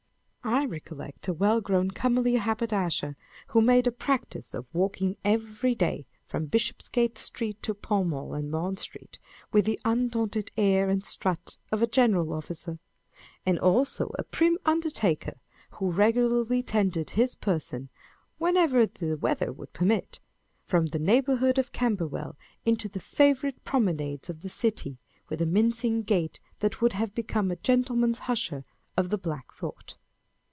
I recollect a well grown comely haber dasher, who made a practice of walking every day from Bishopsgate Street to Pall Mall and Bond Street with the undaunted air and strut of a general officer ; and also a prim undertaker, who regularly tendered his person, when ever the weather would permit, from the neighbourhood of Camberwell into the favourite promenades of the City with a mincing gait that would have become a gentleman usher of the black rod.